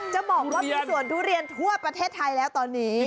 จะบอกว่ามีสวนทุเรียนทั่วประเทศไทยแล้วตอนนี้